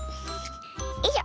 よいしょ！